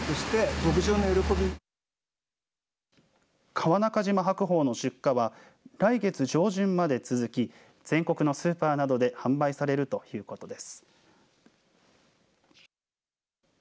川中島白鳳の出荷は来月上旬まで続き全国のスーパーなどで販売されるということです。